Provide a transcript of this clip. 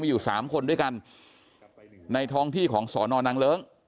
อยู่สามคนด้วยกันในท้องที่ของสอนอนังเลิ้ง